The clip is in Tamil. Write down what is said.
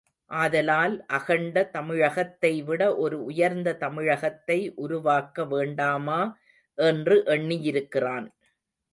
ஆதலால் அகண்ட தமிழகத்தை விட ஒரு உயர்ந்த தமிழகத்தை உருவாக்க வேண்டாமா என்று எண்ணியிருக்கிறான்.